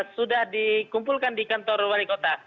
sudah dikumpulkan di kantor wali kota